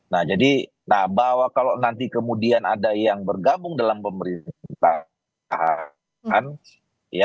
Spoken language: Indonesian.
nah jadi nah bahwa kalau nanti kemudian ada yang bergabung dalam pemerintahan